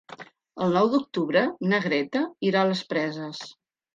El nou d'octubre na Greta irà a les Preses.